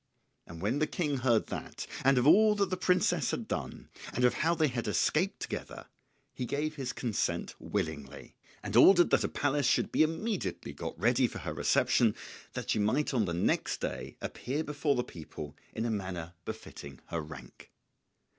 And when the King heard that, and of all that the princess had done, and of how they had escaped together, he gave his consent willingly, and ordered that a palace should be immediately got ready for her reception that she might on the next day appear before the people in a manner befitting her rank.